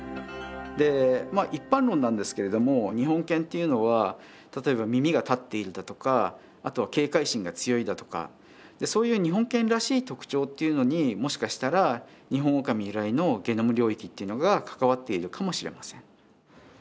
一般論なんですけれども日本犬っていうのは例えば耳が立っているだとかあとは警戒心が強いだとかそういう日本犬らしい特徴っていうのにもしかしたらニホンオオカミ由来のゲノム領域っていうのが関わっているかもしれません。